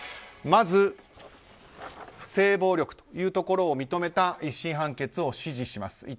まず性暴力というところを認めた１審判決を支持します。